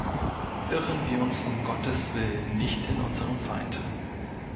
Irren wir uns um Gottes willen nicht in unserem Feind.